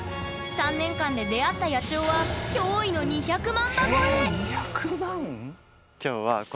３年間で出会った野鳥は驚異の２００万羽超え！